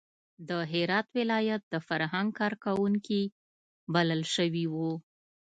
د هرات ولایت د فرهنګ کار کوونکي بلل شوي وو.